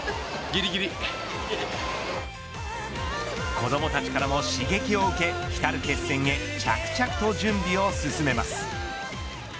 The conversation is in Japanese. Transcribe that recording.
子どもたちからも刺激を受け来たる決戦へ着々と準備を進めます。